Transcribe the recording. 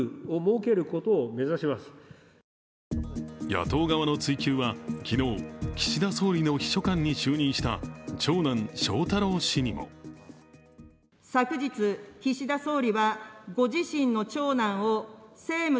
野党側の追及は、昨日、岸田総理の秘書官に就任した長男・翔太郎氏にも課題山積の岸田政権。